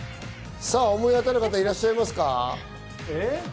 思い当たる方いらっしゃいますか？